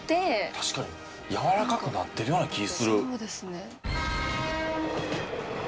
確かにやわらかくなってるような気する。